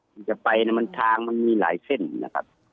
มันจะไปทางมันมีหลายเส้นนะครับ